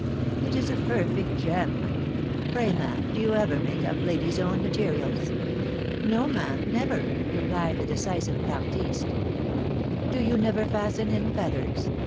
149 <c It is a perfect gem ! Pray, ma'am, do you ever make up ladies' own materials?" " No, ma'am, never," replied the decisive artiste. " Do yon never fasten in feathers